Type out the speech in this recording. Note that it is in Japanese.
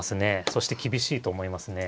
そして厳しいと思いますね。